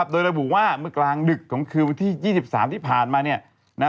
โดยระบุว่าเมื่อกลางดึกของคืนวันที่๒๓ที่ผ่านมา